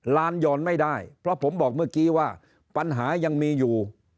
ล้านยอนไม่ได้เพราะผมบอกเมื่อกี้ว่าปัญหายังมีอยู่